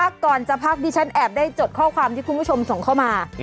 ก่อนจะพักดิฉันแอบได้จดข้อความที่คุณผู้ชมส่งเข้ามา